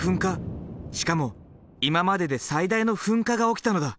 しかも今までで最大の噴火が起きたのだ。